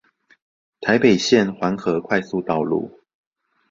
台北縣環河快速道路